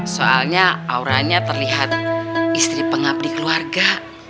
soalnya auranya terlihat istri pengabdi keluarga